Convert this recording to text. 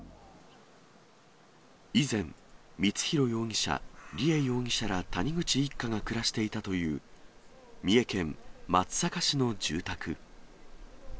以前、光弘容疑者、梨恵容疑者ら谷口一家が暮らしていたという、三重県松阪市の住宅。